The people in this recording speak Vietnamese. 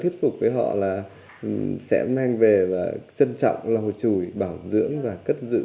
thuyết phục với họ là sẽ mang về và trân trọng lò chùi bảo dưỡng và cất dự